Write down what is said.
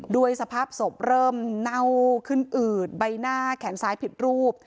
สภาพศพเริ่มเน่าขึ้นอืดใบหน้าแขนซ้ายผิดรูป